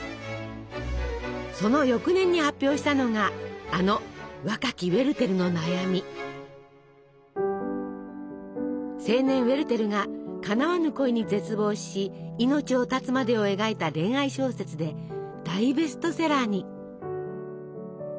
その翌年に発表したのがあの青年ウェルテルがかなわぬ恋に絶望し命を絶つまでを描いた恋愛小説で大ベストセラーに！